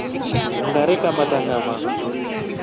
Ungare kamata ngama.